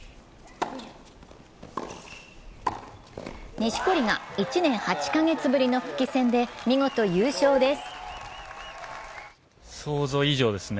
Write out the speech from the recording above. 錦織が１年８か月ぶりの復帰戦で見事優勝です。